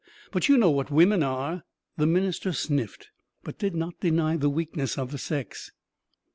But you know what women are!" The minister sniffed, but did not deny the weakness of the sex.